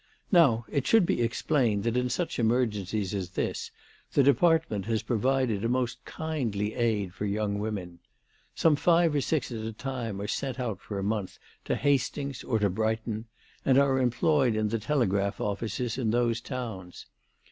Now it should be explained that in such emergencies as this the department has provided a most kindly aid for young women. Some five or six at a time are sent out for a month to Hastings or to Brighton, and are employed in the telegraph offices in those towns.